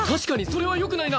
それはよくないな！